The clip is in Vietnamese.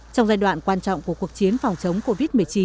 trong giai đoạn quan trọng của cuộc chiến phòng chống covid một mươi chín